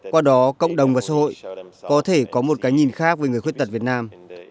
qua đó cộng đồng và xã hội có thể có một cái nhìn khác với người khuyết tật việt nam